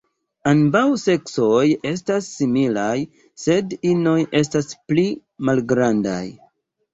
Ambaŭ seksoj estas similaj, sed inoj estas pli malgrandaj.